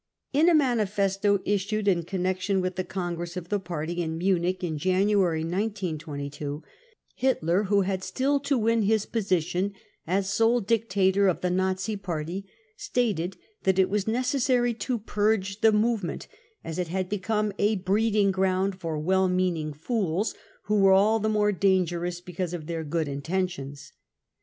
# In a manifesto issued in connection with the congress of the party in Munich in January 1922, Hitler, who had still to win his position as sole dictator of the Nazi Party, stated that it was necessary to purge the movement, as it had become a breeding ground for well meaning fools, who were all the more dangerous because of their good inten tions.